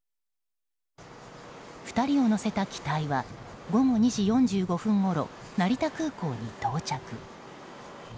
２人を乗せた機体は午後２時４５分ごろ成田空港に到着。